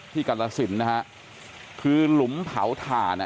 กรสินนะฮะคือหลุมเผาถ่านอ่ะ